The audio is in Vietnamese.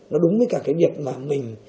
nó đúng với cả cái việc mà mình